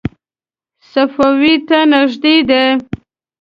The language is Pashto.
صفوي ته نږدې دی.